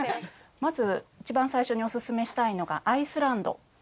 まず一番最初におすすめしたいのがアイスランド。